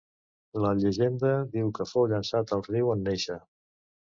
La llegenda diu que fou llençat al riu en néixer.